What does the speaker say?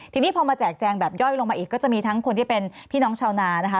ทีนี้พอมาแจกแจงแบบย่อยลงมาอีกก็จะมีทั้งคนที่เป็นพี่น้องชาวนานะคะ